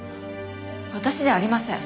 私じゃありません。